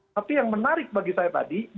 tapi yang menarik bagi saya tadi